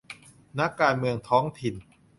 นักการเมืองท้องถิ่น